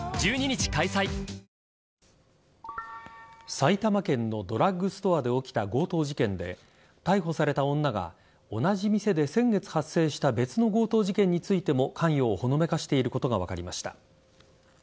埼玉県のドラッグストアで起きた強盗事件で逮捕された女が同じ店で先月発生した別の強盗事件についても関与をほのめかしていることが分かりました。